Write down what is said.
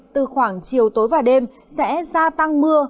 từ khoảng chiều tối và đêm sẽ gia tăng mưa